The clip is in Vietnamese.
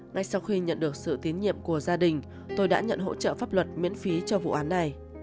ngay sau khi nhận được sự tiến nhiệm của gia đình tôi đã nhận hỗ trợ pháp luật miễn phí cho vụ án này